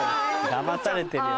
だまされてるよ。